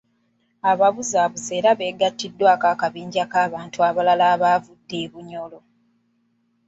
Ababuzaabuza era beegatiddwako akabinja akalala ak’abantu abaavudde e Bunyoro.